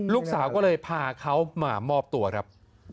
ลูกสาวก็เลยพาเขามามอบตัวครับ